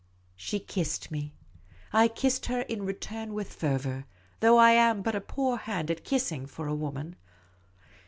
She kissed me. I kissed her in return with fervour, though I am but a poor hand at kissing, for a woman.